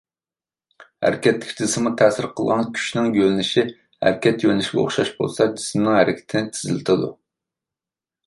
ھەرىكەتتىكى جىسىمغا تەسىر قىلغان كۈچنىڭ يۆنىلىشى ھەرىكەت يۆنىلىشىگە ئوخشاش بولسا، جىسىمنىڭ ھەرىكىتىنى تېزلىتىدۇ.